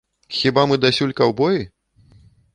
Хіба мы дасюль каўбоі?